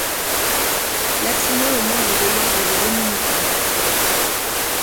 Latino est membre de l'ordre des dominicains.